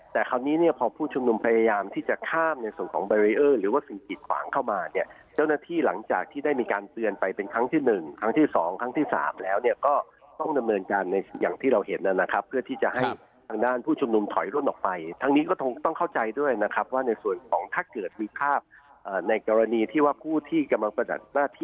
แต่คราวนี้เนี่ยพอผู้ชุมนุมพยายามที่จะข้ามในส่วนของแบรีเออร์หรือว่าสิ่งกิจขวางเข้ามาเนี่ยเจ้าหน้าที่หลังจากที่ได้มีการเตือนไปเป็นครั้งที่หนึ่งครั้งที่สองครั้งที่สามแล้วเนี่ยก็ต้องดำเนินการอย่างที่เราเห็นนั่นนะครับเพื่อที่จะให้ทางด้านผู้ชุมนุมถอยร่วมออกไปทางนี้ก็ต้องเข้าใจด้วยนะครับว่าในส่วน